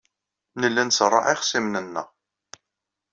Nella nṣerreɛ ixṣimen-nneɣ.